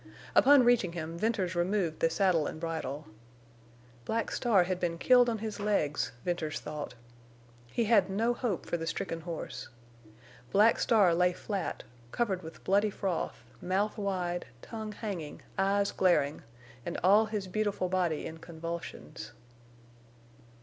Upon reaching him Venters removed the saddle and bridle. Black Star had been killed on his legs, Venters thought. He had no hope for the stricken horse. Black Star lay flat, covered with bloody froth, mouth wide, tongue hanging, eyes glaring, and all his beautiful body in convulsions.